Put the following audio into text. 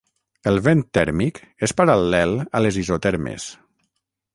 El vent tèrmic és paral·lel a les isotermes.